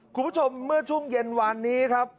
คุณผู้ชมเมื่อช่วงเย็นวานนี้ครับ